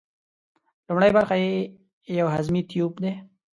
لومړۍ برخه یې یو هضمي تیوپ دی.